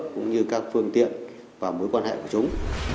cũng như các phương tiện và mối quan hệ của chúng